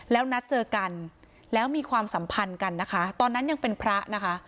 แล้วนัดเจอกันแล้วมีความสัมพันธ์กันนะคะตอนนั้นยังเป็นพระนะคะ